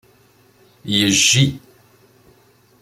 Yejji.